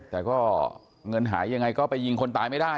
แต่ก็เงินหายยังไงก็ไปยิงคนตายไม่ได้